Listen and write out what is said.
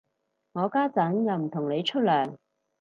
我家陣又唔同你出糧